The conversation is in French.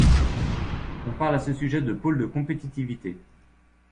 On parle à ce sujet de pôle de compétitivité.